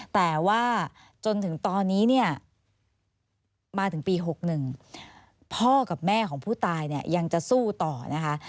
แต่ว่าจนถึงตอนนี้เนี่ยมาถึงปี๖๑พ่อกับแม่ของผู้ตายเนี่ยยังจะสู้ต่อนะคะ